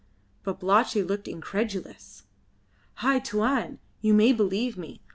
Babalatchi looked incredulous. "Hai Tuan, you may believe me.